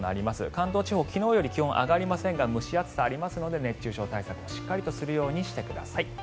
関東地方昨日より気温上がりませんが蒸し暑さありますので熱中症対策をしっかりするようにしてください。